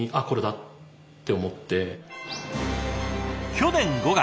去年５月。